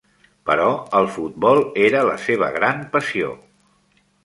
Però el futbol era la seva gran passió.